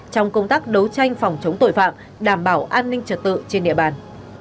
trong công tác đấu tranh phòng chống tội phạm đảm bảo an ninh trật tự trên địa bàn